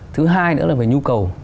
thứ hai nữa là về nhu cầu